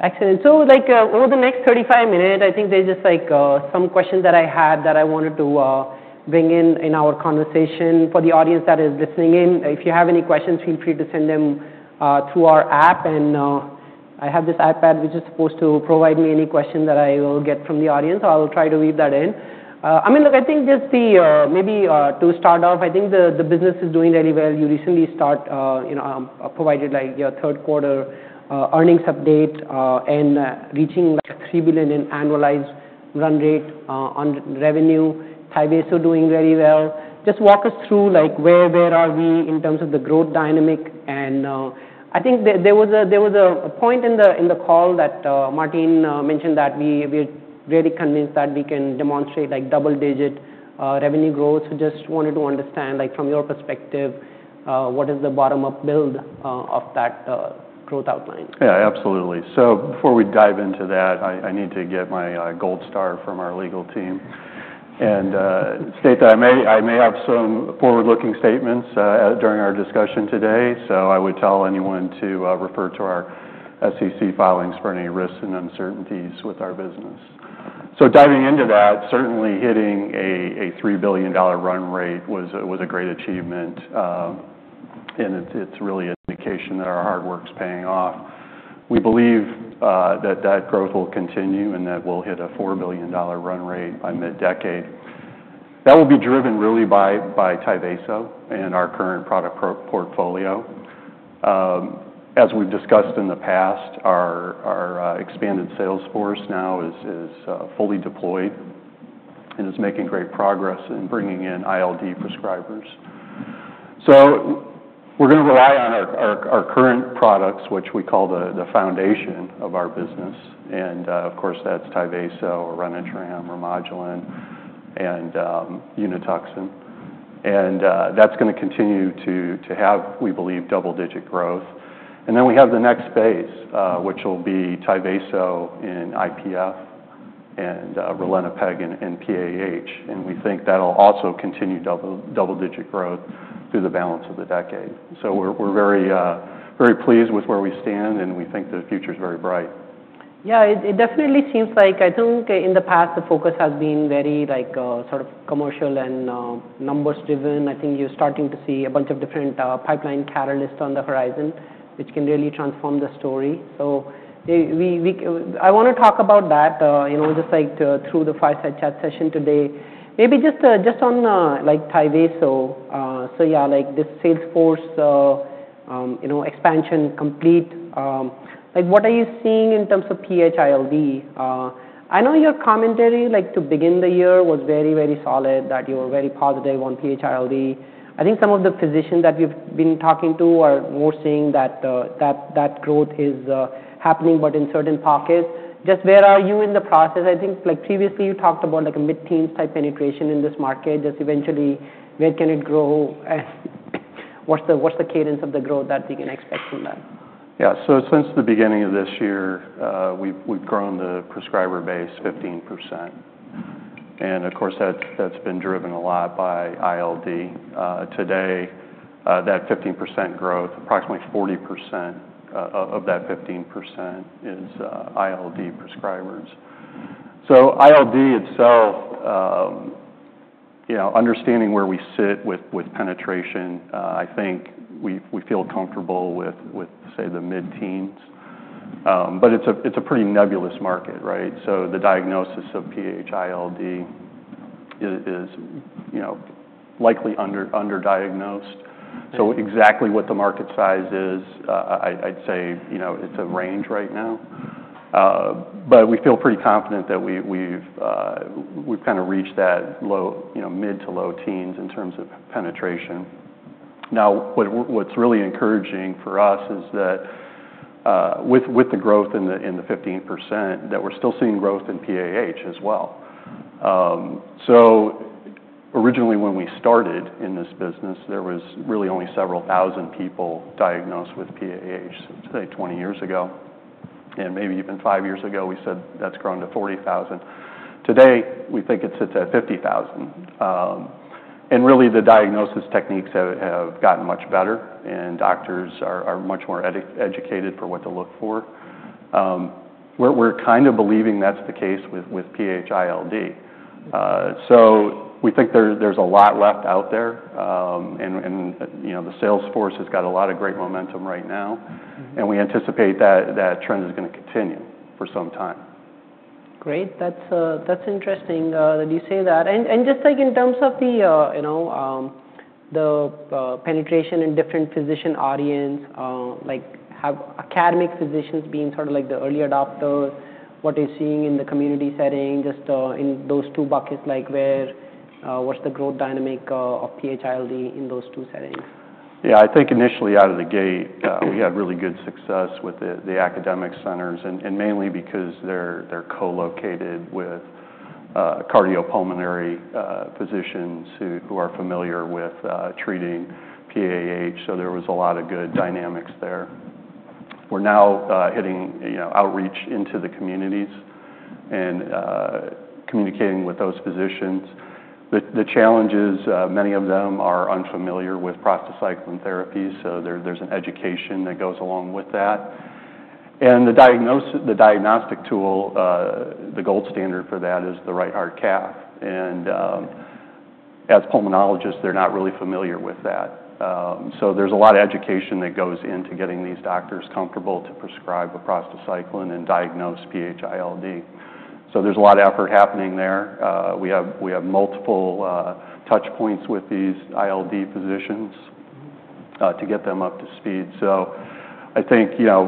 Excellent. So, like, over the next 35 minutes, I think there's just, like, some questions that I had that I wanted to bring in in our conversation for the audience that is listening in. If you have any questions, feel free to send them through our app, and I have this iPad, which is supposed to provide me any questions that I will get from the audience. I'll try to weave that in. I mean, look, I think just the maybe to start off, I think the business is doing really well. You recently started, you know, provided, like, your third-quarter earnings update and reaching like a $3 billion in annualized run rate on revenue. Tyvaso doing really well. Just walk us through, like, where are we in terms of the growth dynamic? I think there was a point in the call that Martine mentioned that we're really convinced that we can demonstrate, like, double-digit revenue growth. Just wanted to understand, like, from your perspective, what is the bottom-up build of that growth outline? Yeah, absolutely. So before we dive into that, I need to get my gold star from our legal team and state that I may have some forward-looking statements during our discussion today. So I would tell anyone to refer to our SEC filings for any risks and uncertainties with our business. So diving into that, certainly hitting a $3 billion run rate was a great achievement. And it's really an indication that our hard work's paying off. We believe that that growth will continue and that we'll hit a $4 billion run rate by mid-decade. That will be driven really by Tyvaso and our current product portfolio. As we've discussed in the past, our expanded sales force now is fully deployed and is making great progress in bringing in ILD prescribers. So we're going to rely on our current products, which we call the foundation of our business. And of course, that's Tyvaso, Orenitram, Remodulin, and Unituxin. And that's going to continue to have, we believe, double-digit growth. And then we have the next phase, which will be Tyvaso in IPF and ralinepag and PAH. And we think that'll also continue double-digit growth through the balance of the decade. So we're very pleased with where we stand, and we think the future's very bright. Yeah, it definitely seems like, I think in the past, the focus has been very, like, sort of commercial and numbers-driven. I think you're starting to see a bunch of different pipeline catalysts on the horizon, which can really transform the story. So I want to talk about that, you know, just like through the fireside chat session today. Maybe just on, like, Tyvaso. So yeah, like this sales force expansion complete. Like, what are you seeing in terms of PH-ILD? I know your commentary, like, to begin the year was very, very solid, that you were very positive on PH-ILD. I think some of the physicians that we've been talking to are more seeing that that growth is happening, but in certain pockets. Just where are you in the process? I think, like, previously you talked about, like, a mid-teens type penetration in this market. Just eventually, where can it grow? And what's the cadence of the growth that we can expect from that? Yeah, so since the beginning of this year, we've grown the prescriber base 15%. And of course, that's been driven a lot by ILD. Today, that 15% growth, approximately 40% of that 15% is ILD prescribers. So ILD itself, you know, understanding where we sit with penetration, I think we feel comfortable with, say, the mid-teens. But it's a pretty nebulous market, right? So the diagnosis of PH-ILD is, you know, likely underdiagnosed. So exactly what the market size is, I'd say, you know, it's a range right now. But we feel pretty confident that we've kind of reached that low, you know, mid- to low-teens in terms of penetration. Now, what's really encouraging for us is that with the growth in the 15%, that we're still seeing growth in PAH as well. So originally when we started in this business, there was really only several thousand people diagnosed with PAH, say, 20 years ago. And maybe even five years ago, we said that's grown to 40,000. Today, we think it sits at 50,000. And really, the diagnosis techniques have gotten much better, and doctors are much more educated for what to look for. We're kind of believing that's the case with PH-ILD. So we think there's a lot left out there. And, you know, the sales force has got a lot of great momentum right now. And we anticipate that trend is going to continue for some time. Great. That's interesting that you say that. And just like in terms of the, you know, the penetration in different physician audience, like, have academic physicians been sort of like the early adopters? What are you seeing in the community setting? Just in those two buckets, like, what's the growth dynamic of PH-ILD in those two settings? Yeah, I think initially out of the gate, we had really good success with the academic centers, and mainly because they're co-located with cardiopulmonary physicians who are familiar with treating PAH. So there was a lot of good dynamics there. We're now hitting, you know, outreach into the communities and communicating with those physicians. The challenge is many of them are unfamiliar with prostacyclin therapy. So there's an education that goes along with that. And the diagnostic tool, the gold standard for that, is the right heart cath. And as pulmonologists, they're not really familiar with that. So there's a lot of education that goes into getting these doctors comfortable to prescribe a prostacyclin and diagnose PH-ILD. So there's a lot of effort happening there. We have multiple touch points with these ILD physicians to get them up to speed. So I think, you know,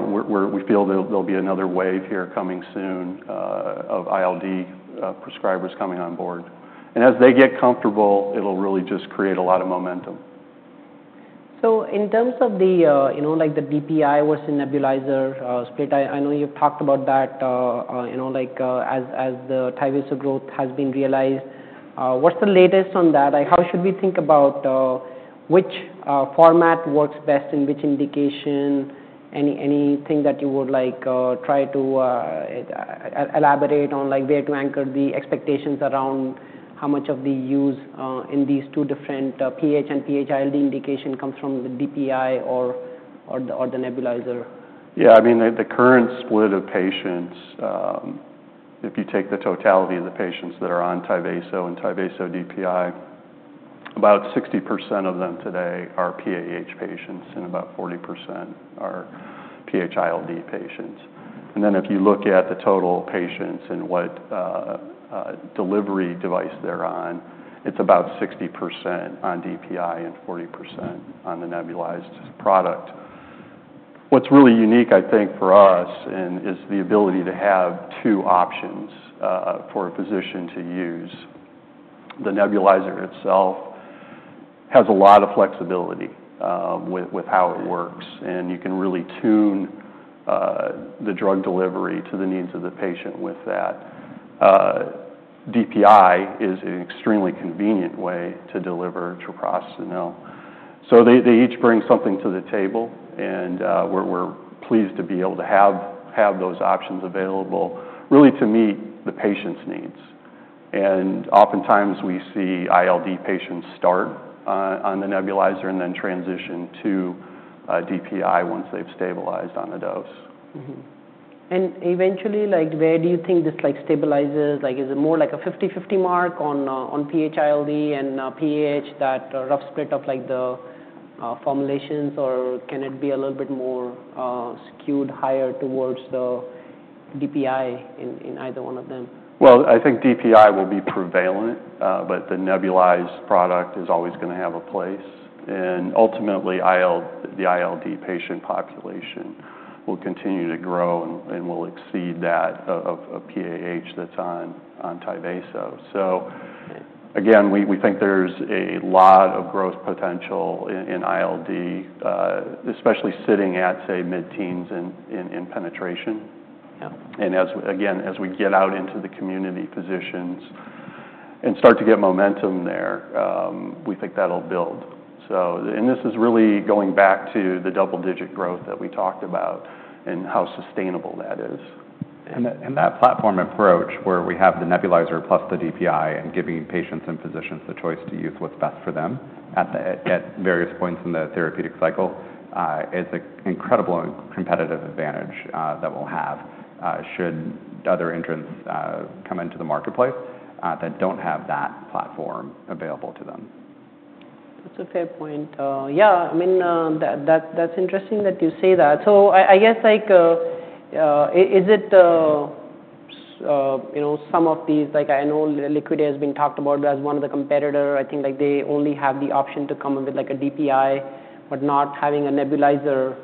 we feel there'll be another wave here coming soon of ILD prescribers coming on board. And as they get comfortable, it'll really just create a lot of momentum. In terms of the, you know, like, the DPI versus nebulizer split, I know you've talked about that, you know, like, as the Tyvaso growth has been realized. What's the latest on that? Like, how should we think about which format works best in which indication? Anything that you would, like, try to elaborate on, like, where to anchor the expectations around how much of the use in these two different PH and PH-ILD indications comes from the DPI or the nebulizer? Yeah, I mean, the current split of patients, if you take the totality of the patients that are on Tyvaso and Tyvaso DPI, about 60% of them today are PAH patients, and about 40% are PH-ILD patients. And then if you look at the total patients and what delivery device they're on, it's about 60% on DPI and 40% on the nebulized product. What's really unique, I think, for us is the ability to have two options for a physician to use. The nebulizer itself has a lot of flexibility with how it works. And you can really tune the drug delivery to the needs of the patient with that. DPI is an extremely convenient way to deliver treprostinil. So they each bring something to the table. And we're pleased to be able to have those options available, really to meet the patient's needs. Oftentimes we see ILD patients start on the nebulizer and then transition to DPI once they've stabilized on the dose. Eventually, like, where do you think this, like, stabilizes, like, is it more like a 50/50 mark on PH-ILD and PH, that rough split of, like, the formulations? Or can it be a little bit more skewed higher towards the DPI in either one of them? I think DPI will be prevalent, but the nebulized product is always going to have a place. Ultimately, the ILD patient population will continue to grow and will exceed that of PAH that's on Tyvaso. Again, we think there's a lot of growth potential in ILD, especially sitting at, say, mid-teens in penetration. Again, as we get out into the community physicians and start to get momentum there, we think that'll build. This is really going back to the double-digit growth that we talked about and how sustainable that is. That platform approach where we have the nebulizer plus the DPI and giving patients and physicians the choice to use what's best for them at various points in the therapeutic cycle is an incredible competitive advantage that we'll have should other entrants come into the marketplace that don't have that platform available to them. That's a fair point. Yeah, I mean, that's interesting that you say that. So I guess, like, is it, you know, some of these, like, I know Liquidia has been talked about as one of the competitors. I think, like, they only have the option to come up with, like, a DPI, but not having a nebulizer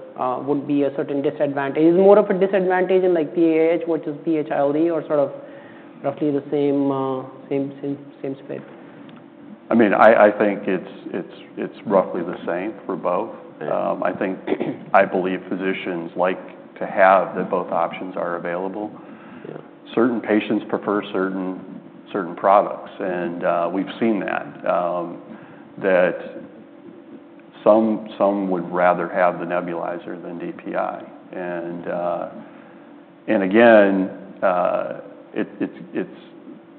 would be a certain disadvantage. Is it more of a disadvantage in, like, PAH versus PH-ILD or sort of roughly the same split? I mean, I think it's roughly the same for both. I think I believe physicians like to have that both options are available. Certain patients prefer certain products. And we've seen that, that some would rather have the nebulizer than DPI. And again,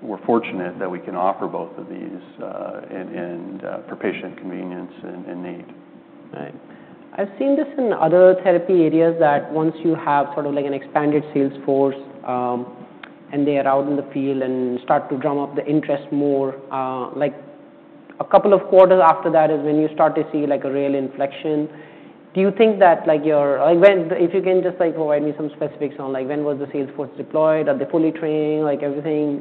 we're fortunate that we can offer both of these for patient convenience and need. Right. I've seen this in other therapy areas that once you have sort of like an expanded sales force and they are out in the field and start to drum up the interest more, like, a couple of quarters after that is when you start to see, like, a real inflection. Do you think that, like, your, like, if you can just, like, provide me some specifics on, like, when was the sales force deployed? Are they fully trained? Like, everything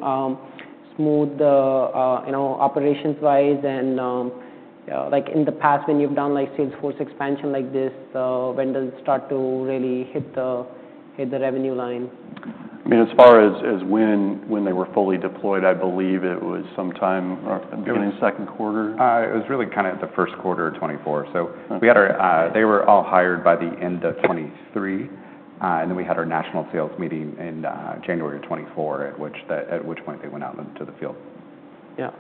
smooth, you know, operations-wise? And, like, in the past, when you've done, like, sales force expansion like this, when does it start to really hit the revenue line? I mean, as far as when they were fully deployed, I believe it was sometime beginning second quarter. It was really kind of at the first quarter of 2024. So they were all hired by the end of 2023, and then we had our national sales meeting in January of 2024, at which point they went out into the field. Yeah.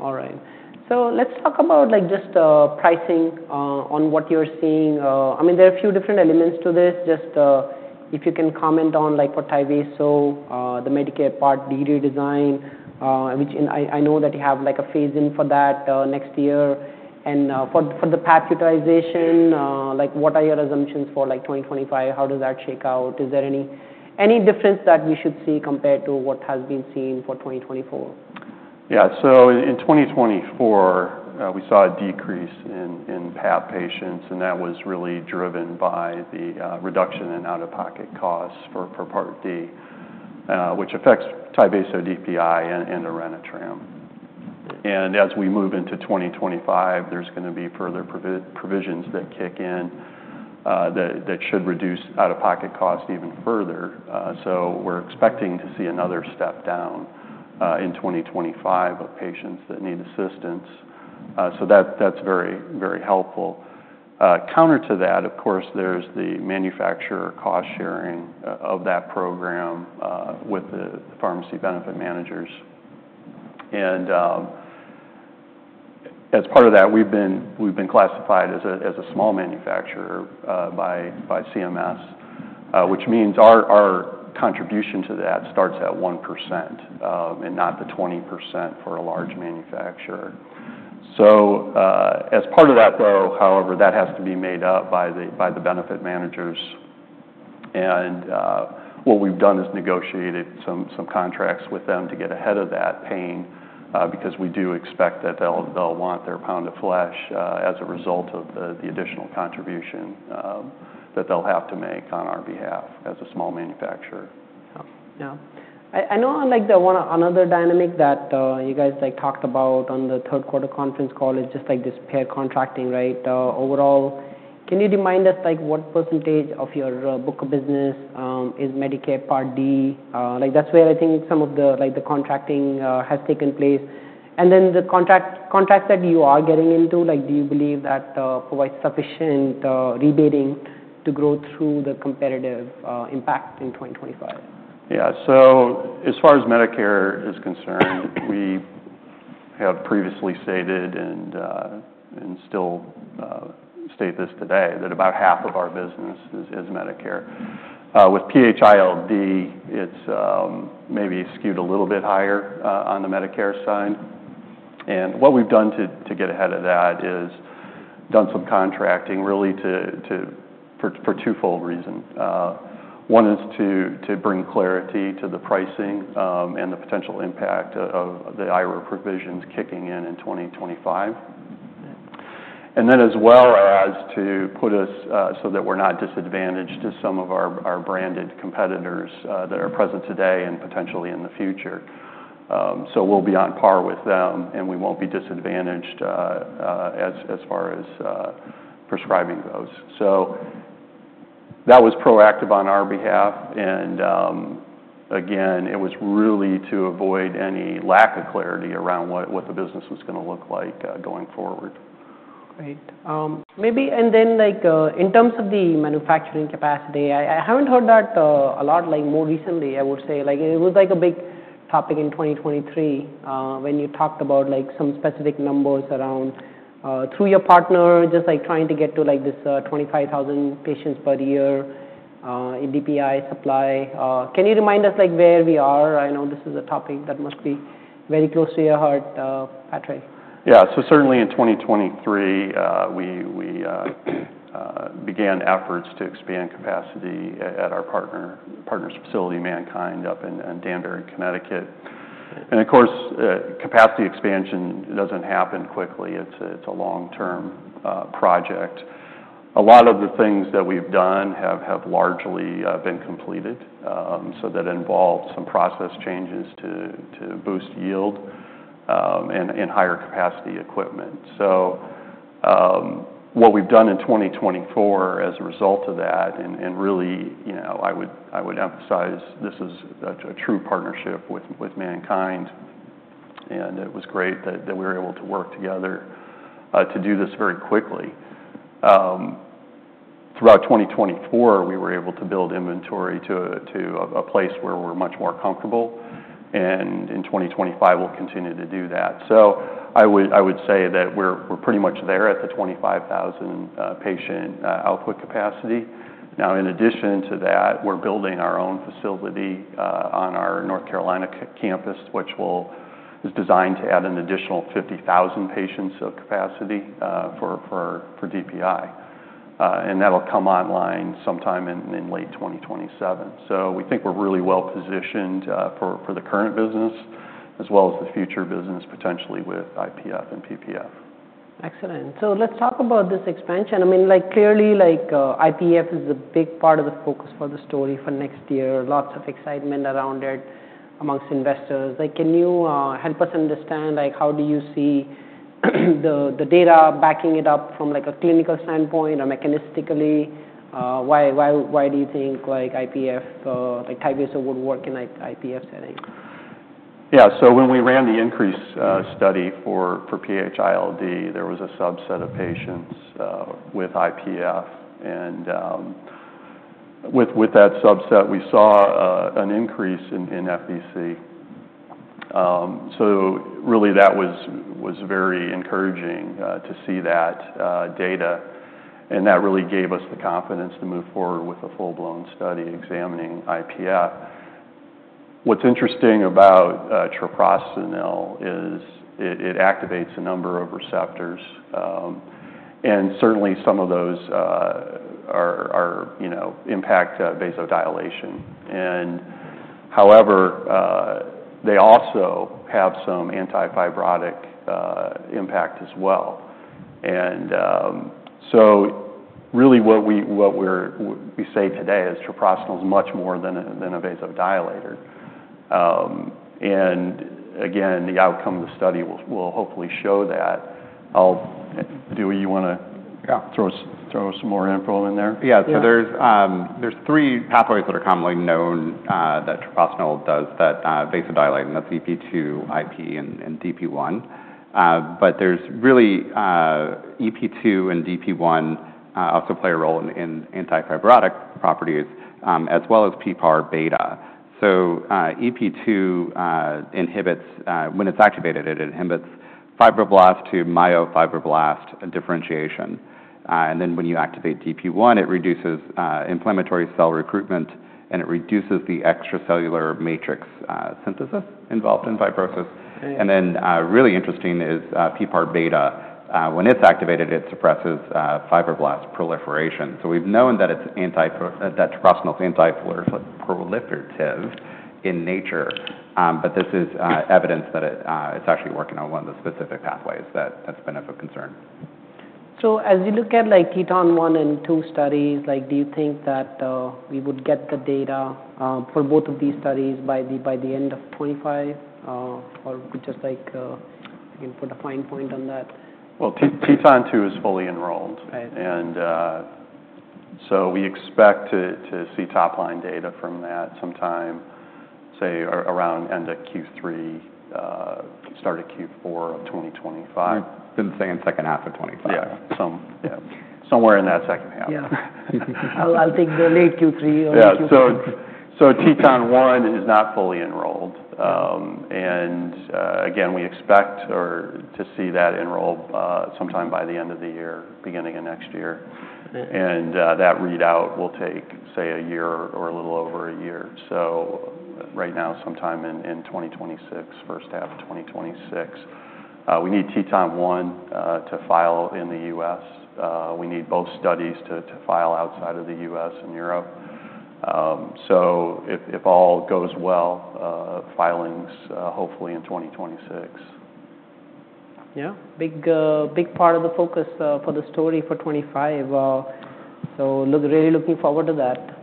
All right. So let's talk about, like, just pricing on what you're seeing. I mean, there are a few different elements to this. Just if you can comment on, like, for Tyvaso, the Medicare Part D redesign, which I know that you have, like, a phase-in for that next year. And for the PBM utilization, like, what are your assumptions for, like, 2025? How does that shake out? Is there any difference that we should see compared to what has been seen for 2024? Yeah, so in 2024, we saw a decrease in PAH patients. And that was really driven by the reduction in out-of-pocket costs for Part D, which affects Tyvaso DPI and Orenitram. And as we move into 2025, there's going to be further provisions that kick in that should reduce out-of-pocket costs even further. So we're expecting to see another step down in 2025 of patients that need assistance. So that's very, very helpful. Counter to that, of course, there's the manufacturer cost sharing of that program with the pharmacy benefit managers. And as part of that, we've been classified as a small manufacturer by CMS, which means our contribution to that starts at 1% and not the 20% for a large manufacturer. So as part of that, though, however, that has to be made up by the benefit managers. What we've done is negotiated some contracts with them to get ahead of that pain because we do expect that they'll want their pound of flesh as a result of the additional contribution that they'll have to make on our behalf as a small manufacturer. Yeah. I know, like, another dynamic that you guys, like, talked about on the third quarter conference call is just, like, this PBM contracting, right? Overall, can you remind us, like, what percentage of your book of business is Medicare Part D? Like, that's where I think some of the, like, the contracting has taken place. And then the contracts that you are getting into, like, do you believe that provide sufficient rebating to grow through the competitive impact in 2025? Yeah, so as far as Medicare is concerned, we have previously stated and still state this today that about half of our business is Medicare. With PH-ILD, it's maybe skewed a little bit higher on the Medicare side. And what we've done to get ahead of that is done some contracting, really, for twofold reason. One is to bring clarity to the pricing and the potential impact of the IRA provisions kicking in in 2025. And then as well as to put us so that we're not disadvantaged to some of our branded competitors that are present today and potentially in the future. So we'll be on par with them, and we won't be disadvantaged as far as prescribing those. So that was proactive on our behalf. And again, it was really to avoid any lack of clarity around what the business was going to look like going forward. Great. Maybe, and then, like, in terms of the manufacturing capacity, I haven't heard that a lot. Like, more recently, I would say, like, it was, like, a big topic in 2023 when you talked about, like, some specific numbers around through your partner, just, like, trying to get to, like, this 25,000 patients per year in DPI supply. Can you remind us, like, where we are? I know this is a topic that must be very close to your heart, Patrick. Yeah, so certainly in 2023, we began efforts to expand capacity at our partner's facility, MannKind, up in Danbury, Connecticut, and of course, capacity expansion doesn't happen quickly. It's a long-term project. A lot of the things that we've done have largely been completed, so that involved some process changes to boost yield and higher capacity equipment. So what we've done in 2024 as a result of that, and really, you know, I would emphasize this is a true partnership with MannKind, and it was great that we were able to work together to do this very quickly. Throughout 2024, we were able to build inventory to a place where we're much more comfortable, and in 2025, we'll continue to do that. So I would say that we're pretty much there at the 25,000 patient output capacity. Now, in addition to that, we're building our own facility on our North Carolina campus, which is designed to add an additional 50,000 patients of capacity for DPI, and that'll come online sometime in late 2027, so we think we're really well positioned for the current business as well as the future business, potentially with IPF and PPF. Excellent. So let's talk about this expansion. I mean, like, clearly, like, IPF is a big part of the focus for the story for next year. Lots of excitement around it amongst investors. Like, can you help us understand, like, how do you see the data backing it up from, like, a clinical standpoint or mechanistically? Why do you think, like, IPF, like, Tyvaso would work in, like, IPF setting? Yeah, so when we ran the INCREASE study for PH-ILD, there was a subset of patients with IPF. And with that subset, we saw an increase in FVC. So really, that was very encouraging to see that data. And that really gave us the confidence to move forward with a full-blown study examining IPF. What's interesting about treprostinil is it activates a number of receptors. And certainly, some of those are, you know, impact vasodilation. And however, they also have some antifibrotic impact as well. And so really, what we say today is treprostinil is much more than a vasodilator. And again, the outcome of the study will hopefully show that. Do you want to throw some more info in there? Yeah, so there's three pathways that are commonly known that treprostinil does that vasodilate, and that's EP2, IP, and DP1. But there's really EP2 and DP1 also play a role in antifibrotic properties as well as PPAR-beta. So EP2 inhibits, when it's activated, it inhibits fibroblast to myofibroblast differentiation. And then when you activate DP1, it reduces inflammatory cell recruitment, and it reduces the extracellular matrix synthesis involved in fibrosis. And then really interesting is PPAR-beta. When it's activated, it suppresses fibroblast proliferation. So we've known that treprostinil is antifibrotic proliferative in nature. But this is evidence that it's actually working on one of the specific pathways that's been of a concern. So as you look at, like, TETON 1 and 2 studies, like, do you think that we would get the data for both of these studies by the end of 2025? Or just, like, we can put a fine point on that. TETON 2 is fully enrolled. And so we expect to see top-line data from that sometime, say, around end of Q3, start of Q4 of 2025. We've been saying second half of 2025. Yeah, somewhere in that second half. Yeah. I'll take the late Q3 or late Q4. Yeah, so TETON 1 is not fully enrolled, and again, we expect to see that enrolled sometime by the end of the year, beginning of next year, and that readout will take, say, a year or a little over a year, so right now, sometime in 2026, first half of 2026. We need TETON 1 to file in the U.S. We need both studies to file outside of the U.S. and Europe, so if all goes well, filings hopefully in 2026. Yeah, big part of the focus for the story for 2025. So really looking forward to that.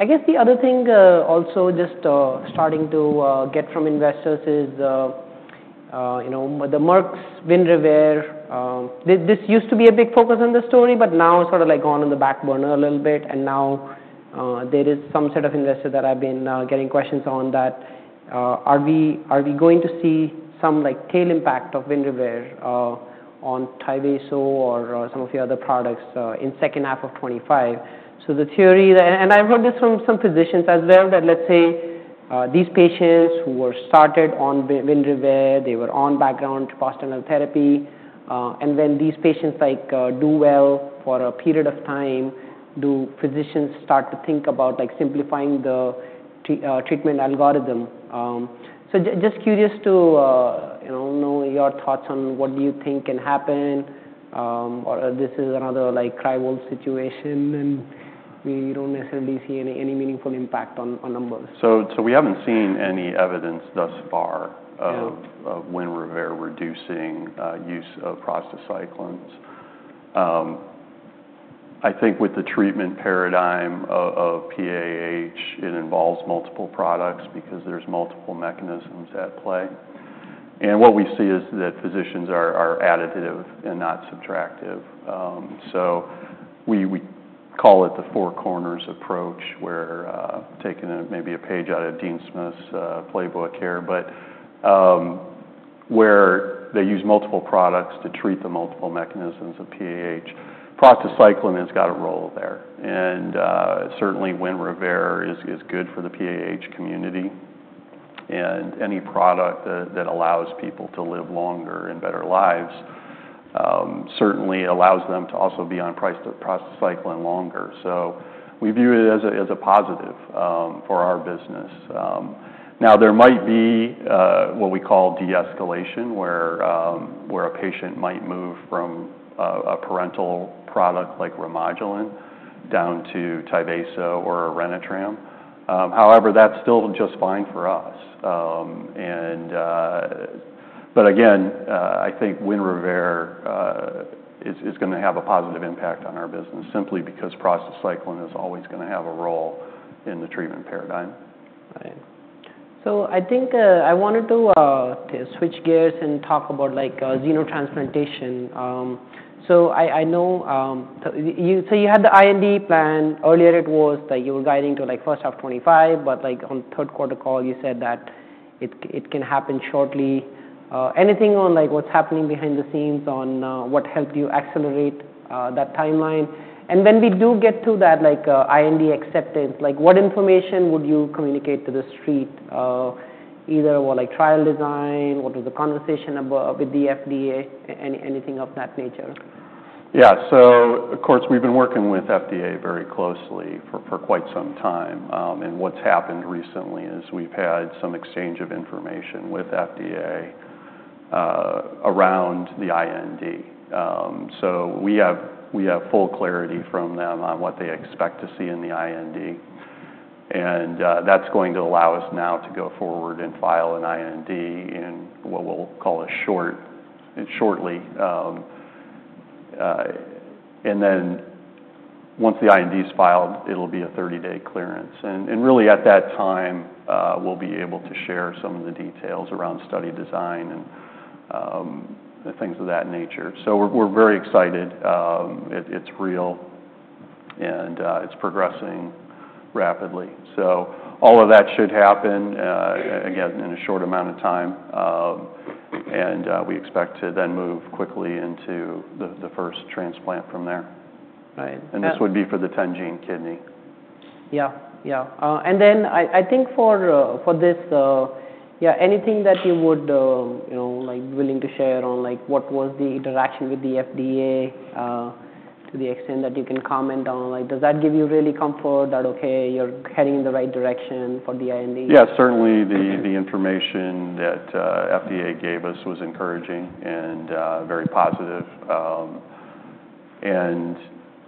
I guess the other thing also just starting to get from investors is, you know, the Merck's Winrevair. This used to be a big focus on the story, but now it's sort of, like, gone on the back burner a little bit. And now there is some set of investors that have been getting questions on that. Are we going to see some, like, tail impact of Winrevair on Tyvaso or some of your other products in second half of 2025? So the theory, and I've heard this from some physicians as well, that let's say these patients who were started on Winrevair, they were on background treprostinil therapy. When these patients, like, do well for a period of time, do physicians start to think about, like, simplifying the treatment algorithm? So just curious to, you know, know your thoughts on what do you think can happen. Or this is another, like, five-year-old situation, and we don't necessarily see any meaningful impact on numbers. So we haven't seen any evidence thus far of Winrevair reducing use of prostacyclins. I think with the treatment paradigm of PAH, it involves multiple products because there's multiple mechanisms at play. And what we see is that physicians are additive and not subtractive. So we call it the four corners approach, where taking maybe a page out of Dean Smith's playbook here, but where they use multiple products to treat the multiple mechanisms of PAH. Prostacyclin has got a role there. And certainly, Winrevair is good for the PAH community. And any product that allows people to live longer and better lives certainly allows them to also be on prostacyclin longer. So we view it as a positive for our business. Now, there might be what we call de-escalation, where a patient might move from a parenteral product like Remodulin down to Tyvaso or Orenitram. However, that's still just fine for us. But again, I think Winrevair is going to have a positive impact on our business simply because prostacyclin is always going to have a role in the treatment paradigm. Right. So I think I wanted to switch gears and talk about, like, xenotransplantation. So I know you had the IND plan. Earlier, it was that you were guiding to, like, first half 2025, but, like, on third quarter call, you said that it can happen shortly. Anything on, like, what's happening behind the scenes on what helped you accelerate that timeline? And when we do get to that, like, IND acceptance, like, what information would you communicate to the street? Either about, like, trial design, what was the conversation with the FDA, anything of that nature? Yeah, so of course, we've been working with FDA very closely for quite some time. And what's happened recently is we've had some exchange of information with FDA around the IND. So we have full clarity from them on what they expect to see in the IND. And that's going to allow us now to go forward and file an IND in what we'll call a shortly. And then once the IND is filed, it'll be a 30-day clearance. And really, at that time, we'll be able to share some of the details around study design and things of that nature. So we're very excited. It's real, and it's progressing rapidly. So all of that should happen, again, in a short amount of time. And we expect to then move quickly into the first transplant from there. And this would be for the 10-gene kidney. Yeah, yeah. And then I think for this, yeah, anything that you would, you know, like, be willing to share on, like, what was the interaction with the FDA to the extent that you can comment on, like, does that give you really comfort that, okay, you're heading in the right direction for the IND? Yeah, certainly the information that FDA gave us was encouraging and very positive. And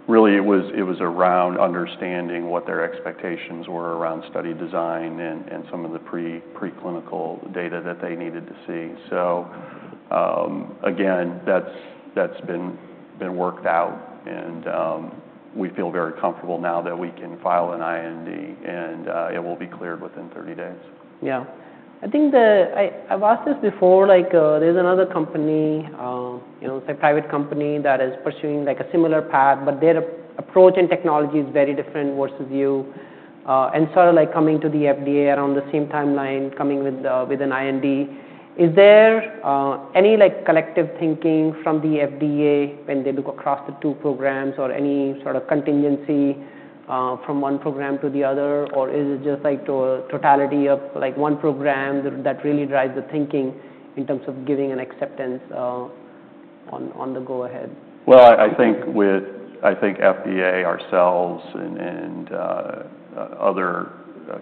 really, it was around understanding what their expectations were around study design and some of the preclinical data that they needed to see. So again, that's been worked out. And we feel very comfortable now that we can file an IND, and it will be cleared within 30 days. Yeah. I think I've asked this before, like, there's another company, you know, it's a private company that is pursuing, like, a similar path, but their approach and technology is very different versus you, and sort of, like, coming to the FDA around the same timeline, coming with an IND. Is there any, like, collective thinking from the FDA when they look across the two programs or any sort of contingency from one program to the other? Or is it just, like, totality of, like, one program that really drives the thinking in terms of giving an acceptance on the go-ahead? I think FDA, ourselves, and other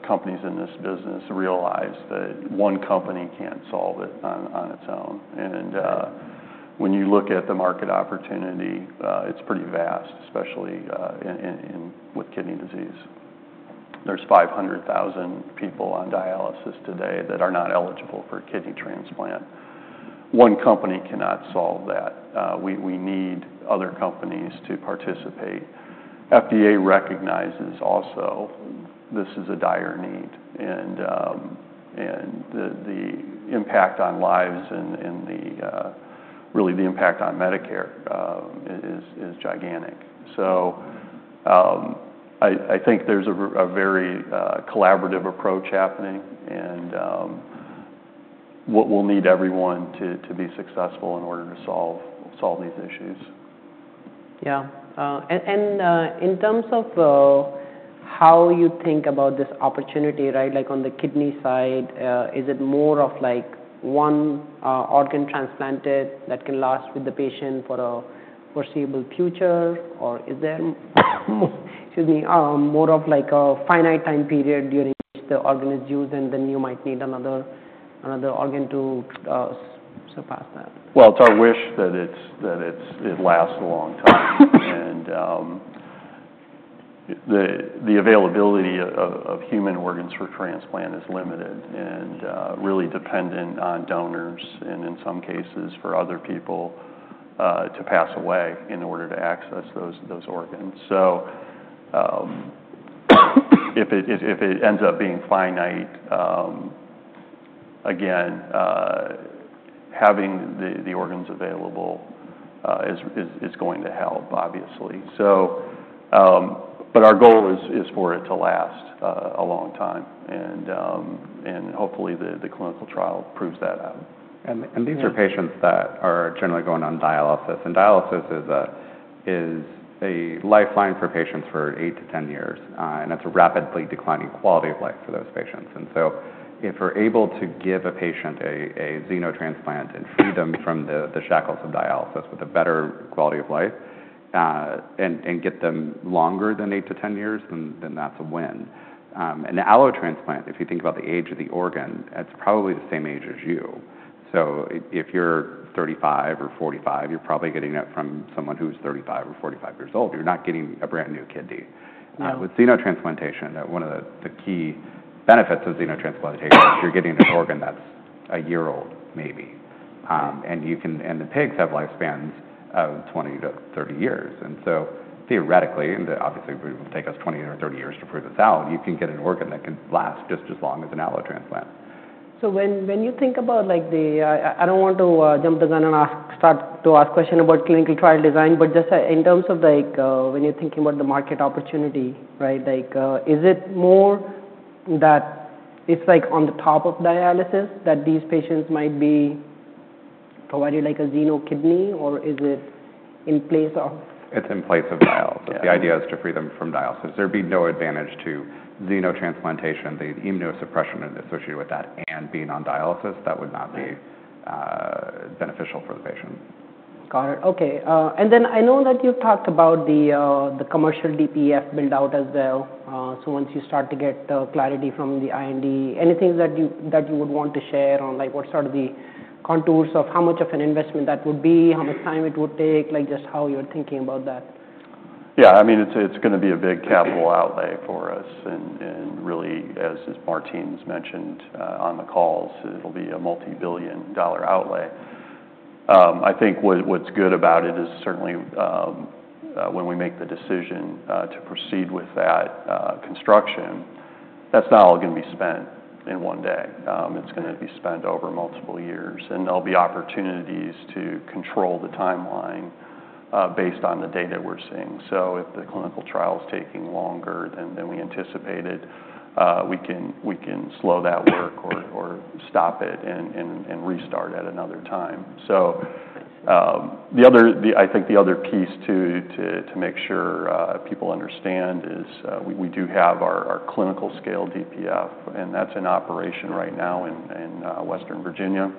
companies in this business realize that one company can't solve it on its own. When you look at the market opportunity, it's pretty vast, especially with kidney disease. There's 500,000 people on dialysis today that are not eligible for kidney transplant. One company cannot solve that. We need other companies to participate. FDA recognizes also this is a dire need. The impact on lives and really the impact on Medicare is gigantic. I think there's a very collaborative approach happening. We'll need everyone to be successful in order to solve these issues. Yeah. And in terms of how you think about this opportunity, right, like, on the kidney side, is it more of, like, one organ transplanted that can last with the patient for a foreseeable future? Or is there, excuse me, more of, like, a finite time period during which the organ is used, and then you might need another organ to surpass that? It's our wish that it lasts a long time. And the availability of human organs for transplant is limited and really dependent on donors and, in some cases, for other people to pass away in order to access those organs. So if it ends up being finite, again, having the organs available is going to help, obviously. But our goal is for it to last a long time. And hopefully, the clinical trial proves that out. And these are patients that are generally going on dialysis. And dialysis is a lifeline for patients for eight to 10 years. And that's a rapidly declining quality of life for those patients. And so if we're able to give a patient a xenotransplant and free them from the shackles of dialysis with a better quality of life and get them longer than eight to 10 years, then that's a win. And allotransplant, if you think about the age of the organ, it's probably the same age as you. So if you're 35 or 45, you're probably getting it from someone who's 35 or 45 years old. You're not getting a brand new kidney. With xenotransplantation, one of the key benefits of xenotransplantation is you're getting an organ that's a year old, maybe. And the pigs have lifespans of 20 to 30 years. And so theoretically, and obviously, it will take us 20 or 30 years to prove this out, you can get an organ that can last just as long as an allotransplant. So when you think about, like, I don't want to jump the gun and start to ask questions about clinical trial design, but just in terms of, like, when you're thinking about the market opportunity, right, like, is it more that it's, like, on top of dialysis that these patients might be provided like a xeno kidney, or is it in place of? It's in place of dialysis. The idea is to free them from dialysis. There'd be no advantage to xenotransplantation, the immunosuppression associated with that, and being on dialysis. That would not be beneficial for the patient. Got it. Okay. And then I know that you've talked about the commercial DPF buildout as well. So once you start to get clarity from the IND, anything that you would want to share on, like, what sort of the contours of how much of an investment that would be, how much time it would take, like, just how you're thinking about that? Yeah, I mean, it's going to be a big capital outlay for us. And really, as Martine's mentioned on the calls, it'll be a multi-billion-dollar outlay. I think what's good about it is certainly when we make the decision to proceed with that construction, that's not all going to be spent in one day. It's going to be spent over multiple years. And there'll be opportunities to control the timeline based on the data we're seeing. So if the clinical trial is taking longer than we anticipated, we can slow that work or stop it and restart at another time. So I think the other piece to make sure people understand is we do have our clinical scale DPF, and that's in operation right now in Western Virginia.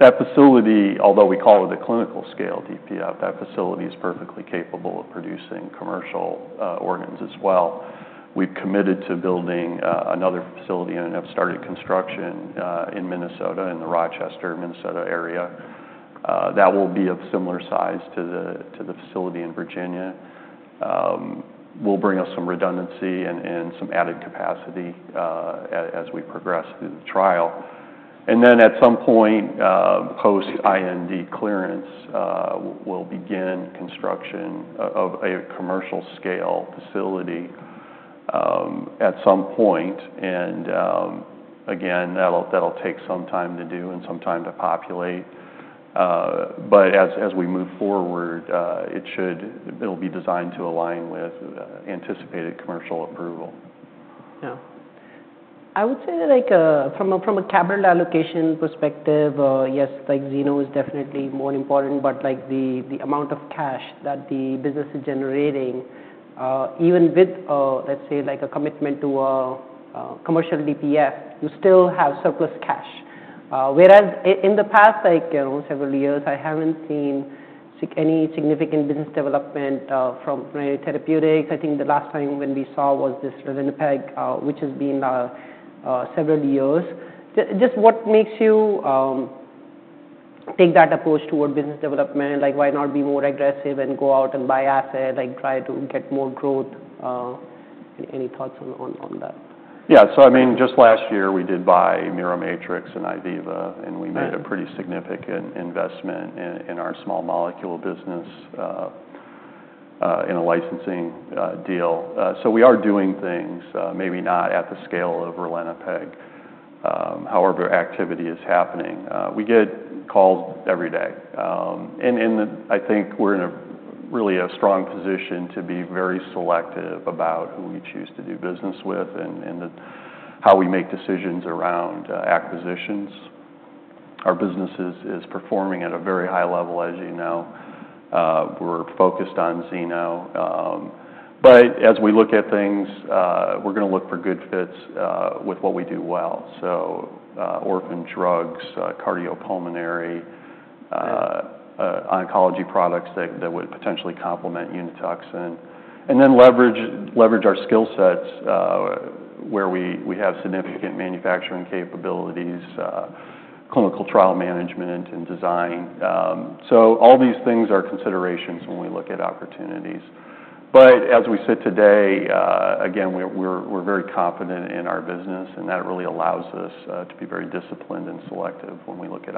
That facility, although we call it the clinical scale DPF, that facility is perfectly capable of producing commercial organs as well. We've committed to building another facility and have started construction in Minnesota, in the Rochester, Minnesota area. That will be of similar size to the facility in Virginia. Will bring us some redundancy and some added capacity as we progress through the trial. And then at some point, post-IND clearance, we'll begin construction of a commercial scale facility at some point. And again, that'll take some time to do and some time to populate. But as we move forward, it'll be designed to align with anticipated commercial approval. Yeah. I would say, like, from a capital allocation perspective, yes, like, xeno is definitely more important, but, like, the amount of cash that the business is generating, even with, let's say, like, a commitment to a commercial DPF, you still have surplus cash. Whereas in the past, like, several years, I haven't seen any significant business development from United Therapeutics. I think the last time when we saw was this ralinepag, which has been several years. Just what makes you take that approach toward business development? Like, why not be more aggressive and go out and buy asset, like, try to get more growth? Any thoughts on that? Yeah. So I mean, just last year, we did buy Miromatrix and IVIVA, and we made a pretty significant investment in our small molecule business in a licensing deal. So we are doing things, maybe not at the scale of ralinepag. However, activity is happening. We get calls every day. And I think we're in a really strong position to be very selective about who we choose to do business with and how we make decisions around acquisitions. Our business is performing at a very high level, as you know. We're focused on xeno. But as we look at things, we're going to look for good fits with what we do well. So orphan drugs, cardiopulmonary, oncology products that would potentially complement Unituxin. And then leverage our skill sets where we have significant manufacturing capabilities, clinical trial management, and design. So all these things are considerations when we look at opportunities. But as we sit today, again, we're very confident in our business, and that really allows us to be very disciplined and selective when we look at.